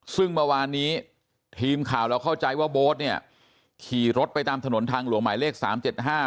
ซึ่งเมื่อวานนี้ทีมข่าวเราเข้าใจว่าโบ๊ทเนี่ยขี่รถไปตามถนนทางหลวงหมายเลขสามเจ็ดห้า